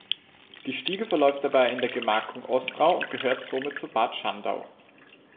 Die Stiege verläuft dabei in der Gemarkung Ostrau und gehört somit zu Bad Schandau.